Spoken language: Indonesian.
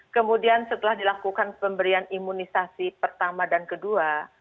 kemudian setelah dilakukan pemberian imunisasi pertama dan kedua